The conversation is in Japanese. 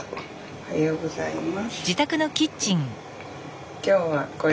おはようございます。